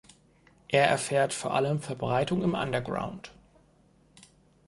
Er erfährt vor allem Verbreitung im Underground.